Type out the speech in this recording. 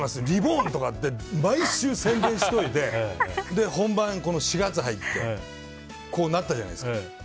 リボーンとかって毎週、宣伝しておいて本番、この４月入ってこうなったじゃないですか。